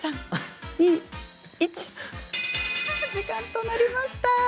時間となりました。